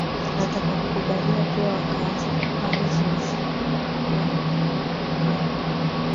yatakapokubaliwa Pia wakaanza kufanya mazoezi ya wanamgambo